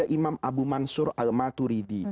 imam abu mansur al maturidi